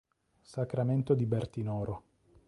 Sacramento di Bertinoro.